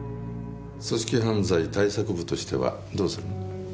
組織犯罪対策部としてはどうするの？